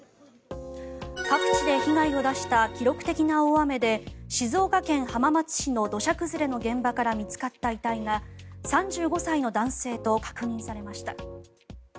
各地で被害を出した記録的な大雨で静岡県浜松市の土砂崩れの現場から見つかった遺体が３５歳の男性と確認されました。